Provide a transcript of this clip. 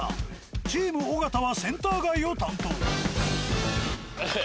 チーム尾形はセンター街を担当。